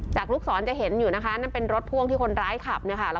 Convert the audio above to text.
ลูกศรจะเห็นอยู่นะคะนั่นเป็นรถพ่วงที่คนร้ายขับเนี่ยค่ะ